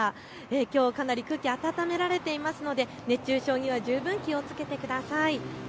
きょうはかなり空気温められていますので熱中症には十分気をつけてください。